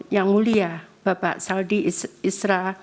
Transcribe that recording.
yang mulia bapak saldi isra